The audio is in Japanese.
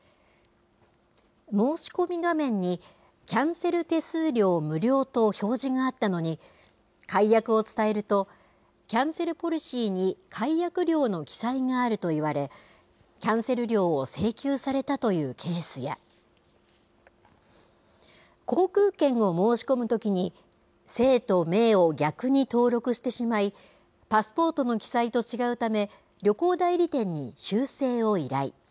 申し込み画面にキャンセル手数料無料と表示があったのに、解約を伝えると、キャンセルポリシーに解約料の記載があると言われ、キャンセル料を請求されたというケースや、航空券を申し込むときに、姓と名を逆に登録してしまい、パスポートの記載と違うため、旅行代理店に修正を依頼。